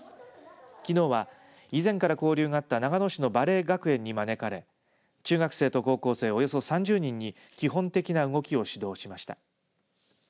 きのうは以前から交流があった長野市のバレエ学園に招かれ中学生と高校生およそ３０人に基本的な動きを指導しました。